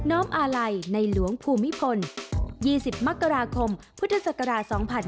น้อมอาลัยในหลวงภูมิพล๒๐มกราคมพฤษฎรา๒๕๖๐